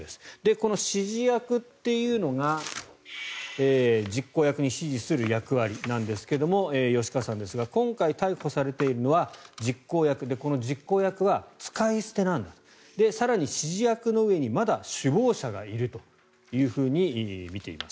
この指示役というのが実行役に指示する役割なんですが吉川さんですが今回、逮捕されているのは実行役でこの実行役は使い捨てなんだと更に指示役の上にまだ首謀者がいるとみています。